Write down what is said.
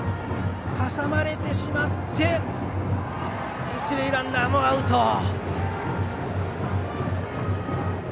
挟まれてしまって一塁ランナーもアウト！